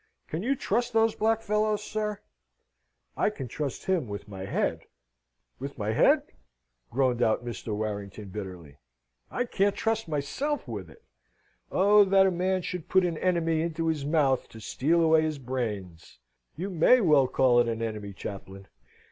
Can you trust those black fellows, sir?" "I can trust him with my head. With my head?" groaned out Mr. Warrington, bitterly., "I can't trust myself with it." "'Oh, that a man should put an enemy into his mouth to steal away his brains!'" "You may well call it an enemy, Chaplain.